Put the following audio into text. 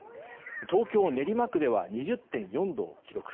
東京・練馬区では２０．４度を記録。